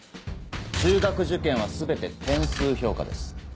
中学受験は全て点数評価です。